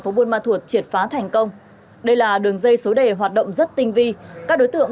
phố buôn ma thuột triệt phá thành công đây là đường dây số đề hoạt động rất tinh vi các đối tượng